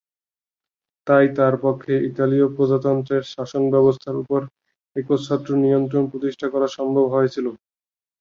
তাই তার পক্ষে ইতালীয় প্রজাতন্ত্রের শাসনব্যবস্থার উপর একচ্ছত্র নিয়ন্ত্রণ প্রতিষ্ঠা করা সম্ভব হয়েছিল।